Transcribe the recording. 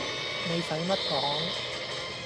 你洗乜講